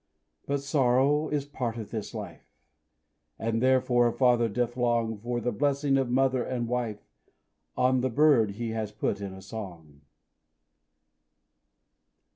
But sorrow is part of this life, And, therefore, a father doth long For the blessing of mother and wife On the bird he has put in a song.